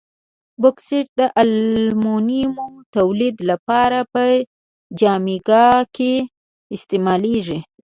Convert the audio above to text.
بوکسیت د المونیمو تولید لپاره په جامیکا کې استعمالیږي.